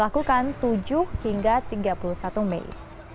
dilakukan tujuh hingga tiga puluh satu mei